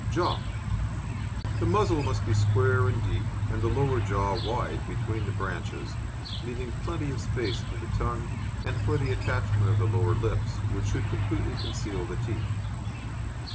JAW The muzzle must be square and deep, and the lower jaw wide between the branches, leaving plenty of space for the tongue, and for the attachment of the lower lips, which should completely conceal the teeth.